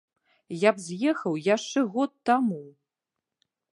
Я б з'ехаў яшчэ год таму.